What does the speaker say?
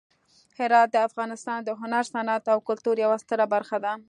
هرات د افغانستان د هنر، صنعت او کلتور یوه ستره برخه ده.